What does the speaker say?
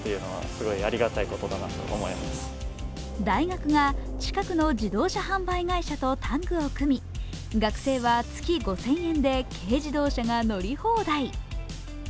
大学が近くの自動車販売会社とタッグを組み、学生は月５０００円で軽自動車が乗り放題。